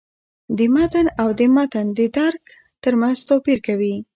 د «متن» او «د متن د درک» تر منځ توپیر کوي.